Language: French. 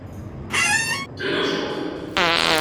De nos jours.